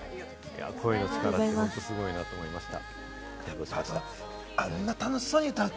声の力って、本当すごいなと思いました。